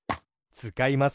つかいます。